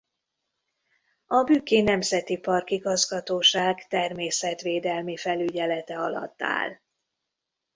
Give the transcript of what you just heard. A Bükki Nemzeti Park Igazgatóság természetvédelmi felügyelete alatt áll.